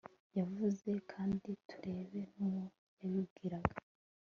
yavuze kandi turebe n'uwo yabibwiraga